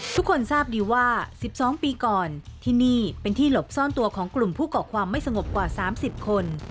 ทุกคนทราบดีว่า๑๒ปีก่อนที่นี่เป็นที่หลบซ่อนตัวของกลุ่มผู้ก่อความไม่สงบกว่า๓๐คน